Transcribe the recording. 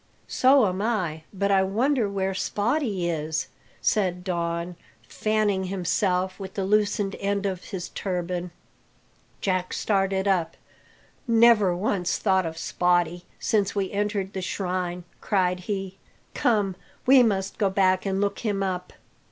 "So am I. But I wonder where Spottie is?" said Don, fanning himself with the loosened end of his turban. Jack started up. "Never once thought of Spottie since we entered the shrine," cried he. "Come, we must go back and look him up."